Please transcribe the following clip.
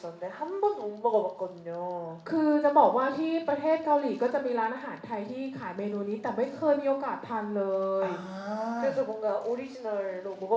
ในเมืองเกาหลีก็จะมีร้านอาหารไทยที่ขายเมนูนี้แต่ไม่เคยมีโอกาสทานเลย